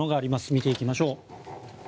見ていきましょう。